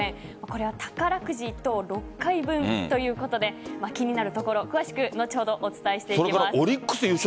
これは宝くじ１等６回分ということで気になるところ詳しく後ほどお伝えしていきます。